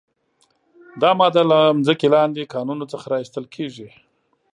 دا ماده له ځمکې لاندې کانونو څخه را ایستل کیږي.